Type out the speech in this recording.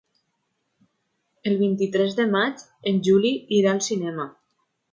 El vint-i-tres de maig en Juli irà al cinema.